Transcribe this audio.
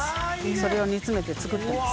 それを煮詰めて作ってます。